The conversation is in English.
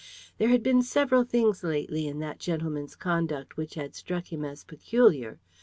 There had been several things lately in that gentleman's conduct which had struck him as peculiar.